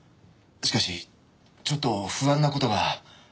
しかしちょっと不安な事が。